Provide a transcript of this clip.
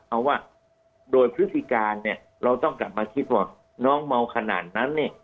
เอาว่าโดยพฤติการเนี่ยเราต้องกลับมาคิดว่าน้องเมาขนาดนั้นเนี่ย